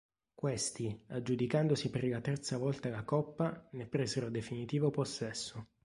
Questi, aggiudicandosi per la terza volta la coppa, ne presero definitivo possesso.